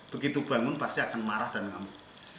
begitu bangun pasti akan marah dan ngamuk